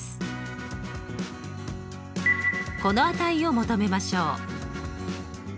この値を求めましょう。